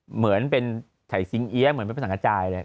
เหมือนเป็นไถ่ซิงเอี๊ยะเหมือนเป็นภาษาหน้าจ่ายเลย